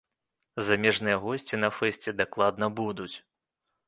Замежныя госці на фэсце дакладна будуць.